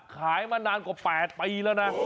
ขายมานานกว่า๘ปีแล้วนะ